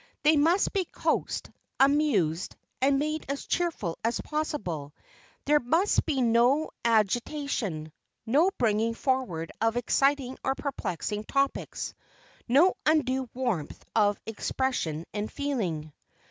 They must be coaxed, amused, and made as cheerful as possible; there must be no agitation, no bringing forward of exciting or perplexing topics, no undue warmth of expression and feeling.